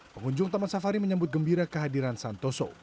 pengunjung taman safari menyambut gembira kehadiran santoso